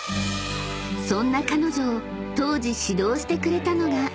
［そんな彼女を当時指導してくれたのが］